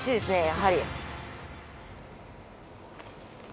やはり。